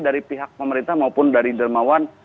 dari pihak pemerintah maupun dari dermawan